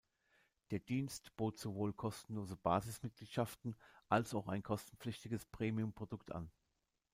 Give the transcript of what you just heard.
Der Dienst bot sowohl kostenlose Basis-Mitgliedschaften als auch ein kostenpflichtiges Premium-Produkt an.